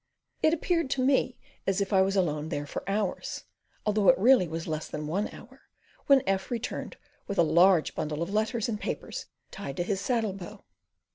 It appeared to me as if I was alone there for hours, though it really was less than one hour, when F returned with a large bundle of letters and papers tied to his saddle bow.